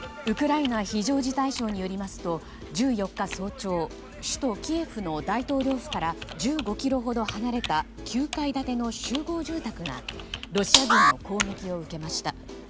ウクライナ非常事態省によりますと１４日早朝首都キエフの大統領府から１５ｋｍほど離れた９階建ての集合住宅がロシア軍の攻撃を受けました。